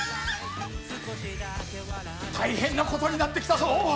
大変なことになってきたぞ。